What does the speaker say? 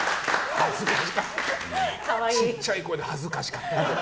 ちっちゃい声で恥ずかしかったな。